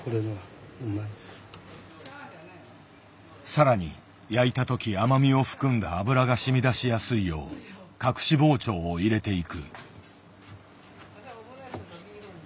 更に焼いた時甘みを含んだ脂がしみだしやすいよう隠し包丁を入れていく。